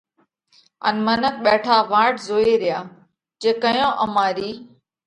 ان منک ٻيٺا واٽ زوئه ريا جي ڪئيون امارِي